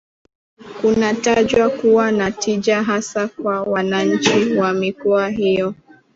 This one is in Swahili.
Kunatajwa kuwa na tija hasa kwa wananchi wa mikoa hiyo